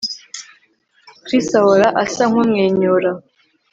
Chris ahora asa nkumwenyura